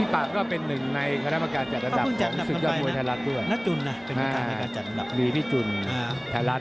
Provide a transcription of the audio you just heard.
แพ้ก็เป็นหนึ่งในขระมาการจัดลัดอับของสุดยอดมวยทะลัด